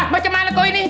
bagaimana kau ini